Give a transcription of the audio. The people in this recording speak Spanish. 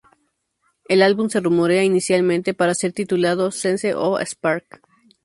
El álbum se rumorea inicialmente para ser titulado Sense of a Spark.